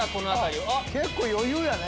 結構余裕やね。